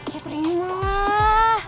ya terima lah